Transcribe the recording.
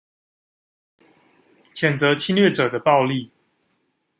譴責侵略者的暴力